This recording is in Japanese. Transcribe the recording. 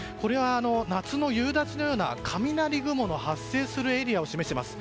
夏の夕立のような雷雲の発生するエリアを示しています。